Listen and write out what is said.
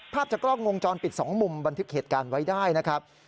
ภาพจากกล้องวงจรปิด๒มุมบันทึกเหตุการณ์ไว้ได้นะครับ